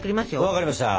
分かりました！